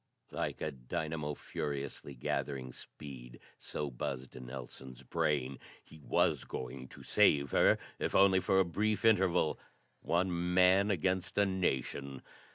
Like a dynamo furiously gathering speed, so buzzed Nelson's brain. He was going to save her if only for a brief interval! One man against a nation.